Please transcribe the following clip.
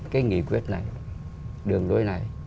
cái nghị quyết này đường lưỡi này